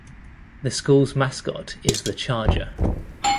The school's mascot is the Charger.